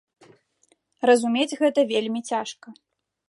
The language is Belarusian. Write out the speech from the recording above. Разумець гэта вельмі цяжка.